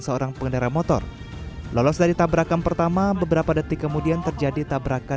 seorang pengendara motor lolos dari tabrakan pertama beberapa detik kemudian terjadi tabrakan